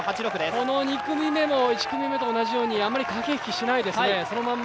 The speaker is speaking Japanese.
この２組目も１組目と同じようにあまり駆け引きしないですね。